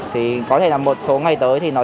thì có thể là một số ngày tới thì nó sẽ được